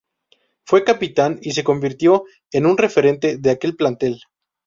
Fue capitán y se convirtió en un referente de aquel plantel.